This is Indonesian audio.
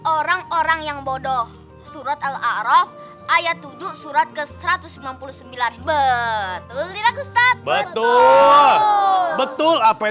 orang orang yang bodoh surat al araf ayat tujuh surat ke satu ratus sembilan puluh sembilan betul tidak ustadz betul apa yang